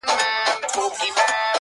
یو کارګه وو څه پنیر یې وو غلا کړی.!